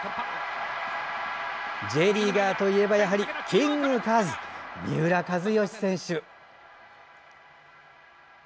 Ｊリーガーといえばやはりキングカズ、三浦知良選手。